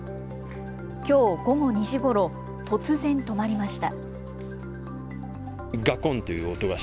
きょう午後２時ごろ突然、止まりました。